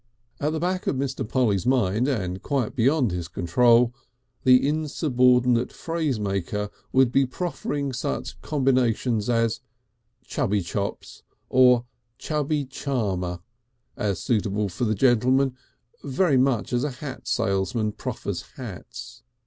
At the back of Mr. Polly's mind, and quite beyond his control, the insubordinate phrasemaker would be proffering such combinations as "Chubby Chops," or "Chubby Charmer," as suitable for the gentleman, very much as a hat salesman proffers hats.